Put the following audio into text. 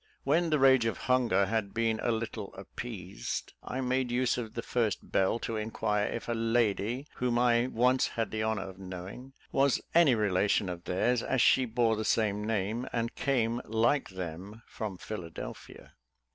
When the rage of hunger had been a little appeased, I made use of the first belle to inquire if a lady whom I once had the honour of knowing, was any relation of theirs, as she bore the same name, and came, like them, from Philadelphia.